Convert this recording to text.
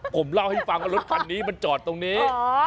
ผมเล่าให้ฟังว่ารถคันนี้มันจอดตรงนี้